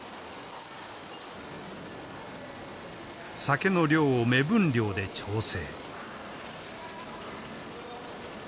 酒の量を目分量で調整。